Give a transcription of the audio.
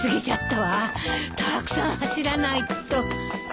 たくさん走らないと。